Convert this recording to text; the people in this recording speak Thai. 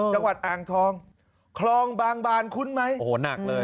จังหวัดอ่างทองคลองบางบานคุ้นไหมโอ้โหหนักเลย